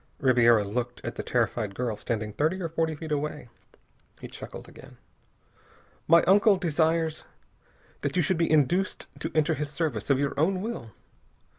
Ribiera looked at the terrified girl standing thirty or forty feet away. He chuckled again. "My uncle desires that you should be induced to enter his service of your own will.